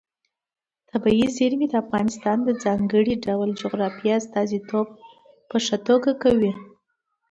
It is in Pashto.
طبیعي زیرمې د افغانستان د ځانګړي ډول جغرافیې استازیتوب په ښه توګه کوي.